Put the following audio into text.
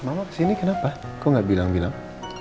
mama kesini kenapa kok nggak bilang bilang